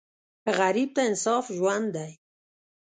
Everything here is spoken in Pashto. غریب ته انصاف ژوند دی